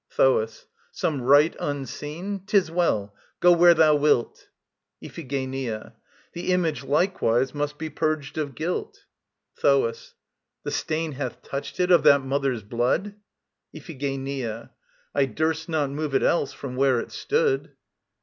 THOAS. Some rite unseen? 'Tis well. Go where thou wilt. IPHIGENIA. The Image likewise must be purged of guilt. THOAS. The stain hath touched it of that mother's blood? IPHIGENIA. I durst not move it else, from where it stood.